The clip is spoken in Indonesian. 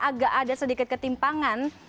agak ada sedikit ketimpangan